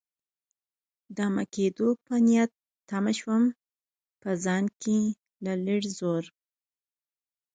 دمه کېدو په نیت تم شوم، په ځان کې له لږ زور.